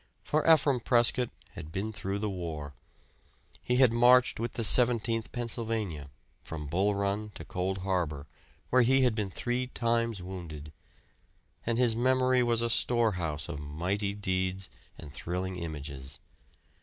For Ephraim Prescott had been through the War. He had marched with the Seventeenth Pennsylvania from Bull Run to Cold Harbor, where he had been three times wounded; and his memory was a storehouse of mighty deeds and thrilling images.